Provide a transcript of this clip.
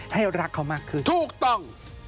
ให้รักเขามากขึ้น